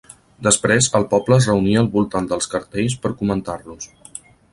Després, el poble es reunia al voltant dels cartells per comentar-los.